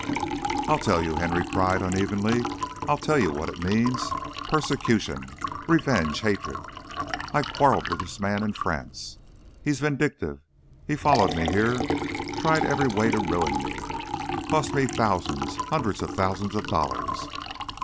"I'll tell you," Henry cried, unevenly. "I'll tell you what it means. Persecution! Revenge! Hatred! I quarreled with this man, in France. He's vindictive; he followed me here tried every way to ruin me cost me thousands, hundreds of thousands of dollars.